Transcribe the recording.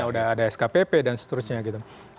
sudah ada skpp dan seterusnya gitu